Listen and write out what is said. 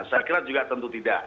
saya kira juga ada yang mengatakan